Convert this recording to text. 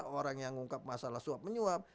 orang yang mengungkap masalah suap menyuap